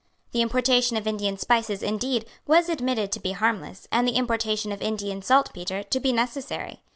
The importation of Indian spices, indeed, was admitted to be harmless, and the importation of Indian saltpetre to be necessary.